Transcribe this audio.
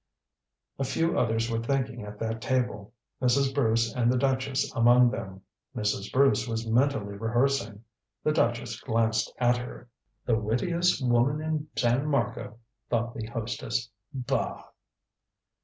A few others were thinking at that table, Mrs. Bruce and the duchess among them. Mrs. Bruce was mentally rehearsing. The duchess glanced at her. "The wittiest woman in San Marco," thought the hostess. "Bah!"